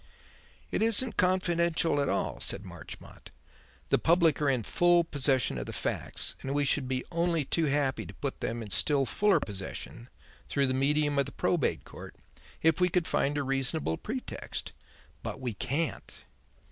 "It isn't confidential at all," said Marchmont. "The public are in full possession of the facts, and we should be only too happy to put them in still fuller possession, through the medium of the Probate Court, if we could find a reasonable pretext. But we can't."